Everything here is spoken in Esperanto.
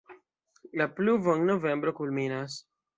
La pluvo en novembro kulminas.